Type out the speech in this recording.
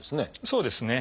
そうですね。